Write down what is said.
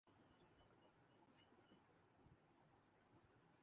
پیچیدہ مسائل کو حل کر سکتا ہوں